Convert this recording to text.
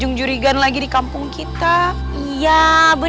aku akan menganggap